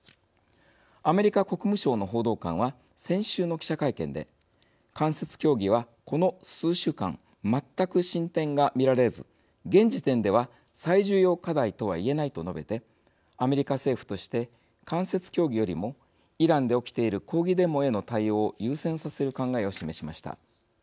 アメリカ国務省の報道官は先週の記者会見で間接協議は、この数週間全く進展が見られず、現時点では最重要課題とは言えないと述べて、アメリカ政府として間接協議よりもイランで起きている抗議デモへの対応を優先させる考えを示しました。